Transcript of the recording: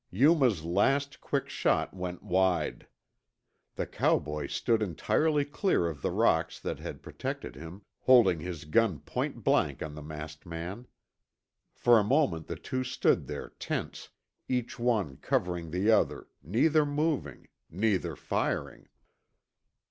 Yuma's last, quick shot went wide. The cowboy stood entirely clear of the rocks that had protected him, holding his gun point blank on the masked man. For a moment the two stood there tense, each one covering the other, neither moving, neither firing.